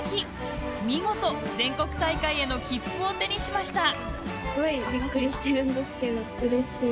見事全国大会への切符を手にしました。